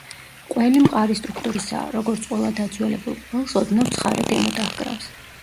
ყველი მყარი სტრუქტურისაა, როგორც ყველა დაძველებულ ყველს ოდნავ ცხარე გემო დაჰკრავს.